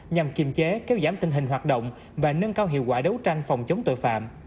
nhằm kiềm chế kéo giảm tình hình hoạt động và nâng cao hiệu quả đấu tranh phòng chống tội phạm